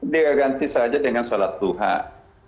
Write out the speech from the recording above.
dia ganti saja dengan salat tuhak